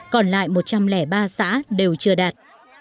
còn lại một trăm linh ba xã đều chưa đạt